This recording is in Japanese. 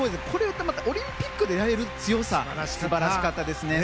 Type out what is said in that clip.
これをまたオリンピックでやれる強さ素晴らしかったです。